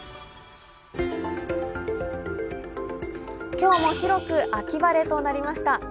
今日も広く秋晴れとなりました。